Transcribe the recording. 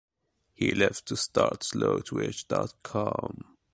He left to start Slowtwitch dot com.